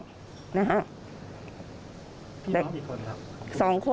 พี่น้องมีคนครับ